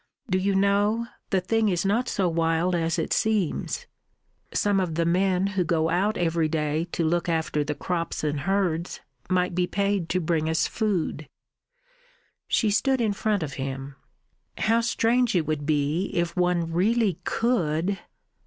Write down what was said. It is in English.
Do you know, the thing is not so wild as it seems. Some of the men who go out every day to look after the crops and herds might be paid to bring us food...." She stood in front of him. "How strange it would be if one really could...."